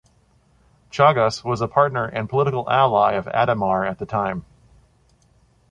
Chagas was a partner and political ally of Ademar at the time.